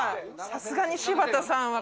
さすがに柴田さんは。